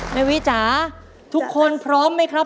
แม่วิจ๋าทุกคนพร้อมไหมครับ